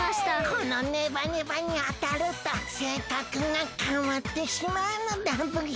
このネバネバにあたるとせいかくがかわってしまうのだブヒ！